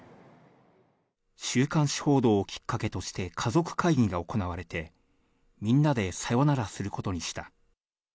週刊誌報道をきっかけとして家族会議が行われて、みんなでさよならすることにした。